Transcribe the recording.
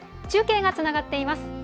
中継がつながっています。